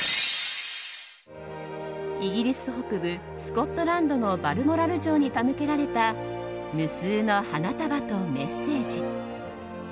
イギリス北部スコットランドのバルモラル城に手向けられた無数の花束とメッセージ。